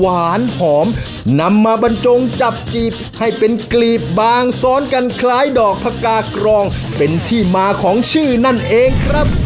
หวานหอมนำมาบรรจงจับจีบให้เป็นกลีบบางซ้อนกันคล้ายดอกผักกากรองเป็นที่มาของชื่อนั่นเองครับ